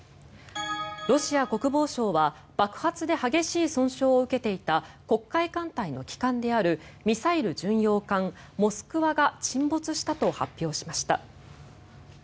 ロシア国防省は爆発で激しい損傷を受けていた黒海艦隊の旗艦であるミサイル巡洋艦「モスクワ」が沈没したと発表しました。